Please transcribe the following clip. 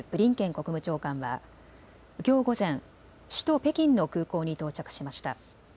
国務長官はきょう午前、首都・北京の空港に到着しました。